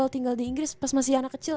tinggal di inggris pas masih anak kecil